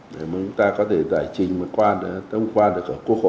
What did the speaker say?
để chúng ta có thể giải trình và tâm quan được ở quốc hội